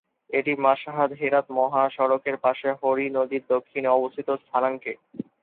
এটি মাশহাদ-হেরাত মহাসড়কের পাশে হরি নদীর দক্ষিণে অবস্থিত স্থানাঙ্কে।